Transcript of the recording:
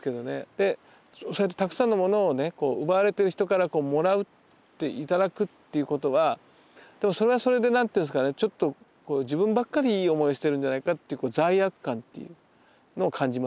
でそうやってたくさんのものをね奪われてる人からもらうって頂くっていうことはそれはそれで何ていうんですかねちょっと自分ばっかりいい思いしてるんじゃないかっていう罪悪感っていうのを感じますよね。